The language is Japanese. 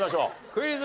クイズ。